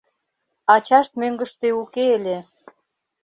Ачашт мӧҥгыштӧ уке ыле.